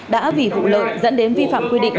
đã vì vụ lợi dẫn đến vi phạm quy định